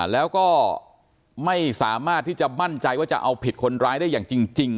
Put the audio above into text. แล้วก็ไม่สามารถที่จะมั่นใจว่าจะเอาผิดคนร้ายได้อย่างจริง